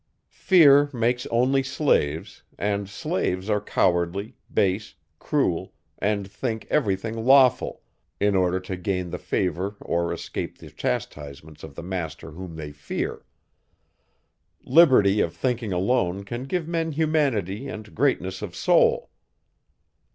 Fear makes only slaves, and slaves are cowardly, base, cruel, and think every thing lawful, in order to gain the favour or escape the chastisements of the master whom they fear. Liberty of thinking alone can give men humanity and greatness of soul.